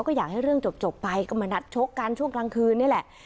ก็อยากให้เรื่องจบไปก็มานัดชกกันช่วงกลางคืนนี่แหละ